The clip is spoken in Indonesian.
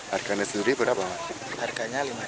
harganya sendiri berapa pak